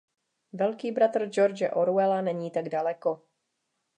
Velký bratr George Orwella není tak daleko!